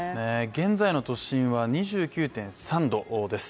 現在の都心は２９．３度です。